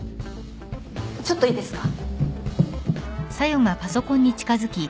ちょっといいですか？